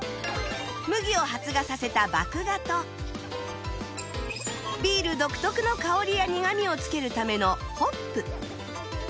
麦を発芽させた麦芽とビール独特の香りや苦味をつけるためのホップ